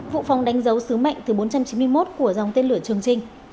vụ phóng đánh dấu sứ mệnh từ bốn trăm chín mươi một của dòng tên lửa chương trình